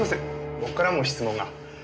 僕からも質問が。